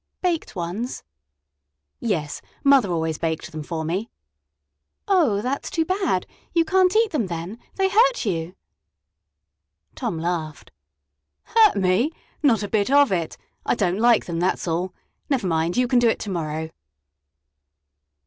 "Baked ones?" "Yes; mother always baked them for me."' "Oh, that's too bad; you can't eat them, then, they hurt you!" Tom laughed. "Hurt me? Not a bit of it! I don't like them, that's all. Never mind; you can do it to morrow."